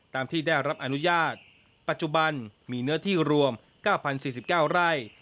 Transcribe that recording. ตามที่ได้รับอนุญาตปัจจุบันมีเนื้อที่รวมเก้าพันสี่สิบเก้าไร่